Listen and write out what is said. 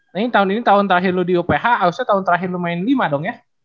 ini tahun ini tahun terakhir lu di uph harusnya tahun terakhir lu main lima dong ya